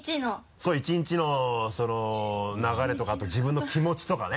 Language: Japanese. そう１日の流れとか自分の気持ちとかね。